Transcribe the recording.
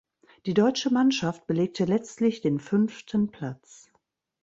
Die deutsche Mannschaft belegte letztlich den fünften Platz.